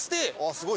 すごい。